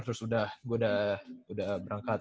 terus udah gue udah berangkat